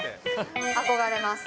憧れます。